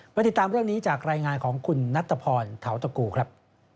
ติดตามเรื่องนี้จากรายงานของคุณนัทพรเทาตะกูครับ